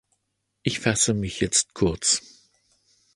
Ich fasse mich jetzt kurz.